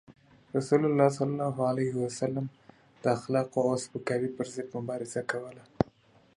رسول الله صلى الله عليه وسلم د اخلاقو او سپکاوي پر ضد مبارزه کوله.